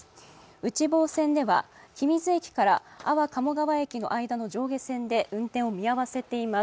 内房線では君津駅から安房鴨川駅の上下線で運転を見合わせています。